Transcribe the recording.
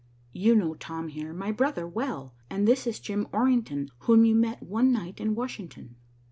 You know Tom, here, my brother, well, and this is Jim Orrington whom you met one night in Washington."